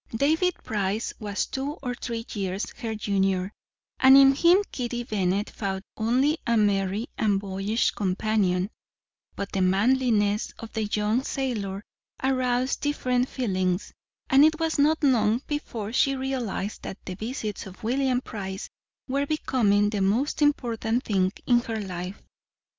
David Price was two or three years her junior, and in him Kitty Bennet found only a merry and boyish companion; but the manliness of the young sailor aroused different feelings, and it was not long before she realized that the visits of William Price were becoming the most important thing in her life.